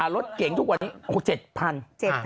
รถเก๋งทุกวันนี้๗๐๐บาท